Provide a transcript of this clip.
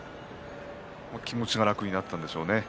気持ちが楽になったんでしょうね。